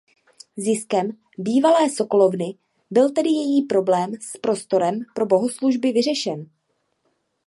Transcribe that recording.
Ziskem bývalé sokolovny byl tedy její problém s prostorem pro bohoslužby vyřešen.